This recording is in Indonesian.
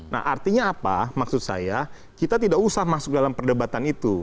nah artinya apa maksud saya kita tidak usah masuk dalam perdebatan itu